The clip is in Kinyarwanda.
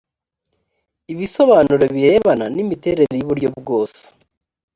ibisobanuro birebana n imiterere y uburyo bwose